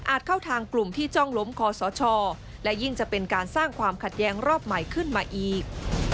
เข้าทางกลุ่มที่จ้องล้มคอสชและยิ่งจะเป็นการสร้างความขัดแย้งรอบใหม่ขึ้นมาอีก